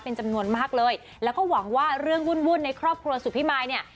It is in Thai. เป็นจำนวนมากเลยแล้วก็หวังว่าเรื่องวุ่นวุ่นในครอบครัวสุพิมายเนี่ย